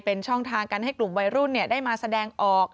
เป็นช่องทางกันให้กลุ่มวัยรุ่นได้มาแสดงออก